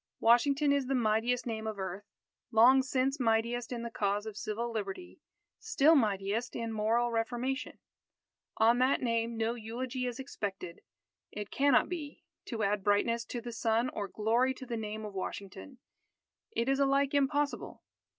Washington is the mightiest name of earth long since mightiest in the cause of Civil Liberty; still mightiest in moral reformation. On that name no eulogy is expected. It cannot be. To add brightness to the sun or glory to the name of Washington, is alike impossible.